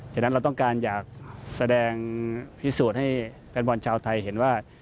ฉะนั้นเราต้องการอยากแสดงพิสูจน์ให้แฟนบอลชาวไทยเห็นว่า